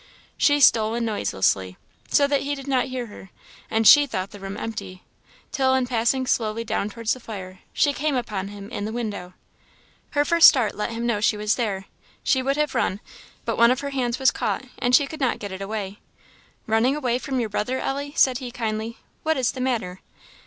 She stole in noiselessly, so that he did not hear her, and she thought the room empty, till in passing slowly down towards the fire she came upon him in the window. Her start first let him know she was there; she would have run, but one of her hands was caught, and she could not get it away. "Running away from your brother, Ellie!" said he, kindly; "what is the matter?"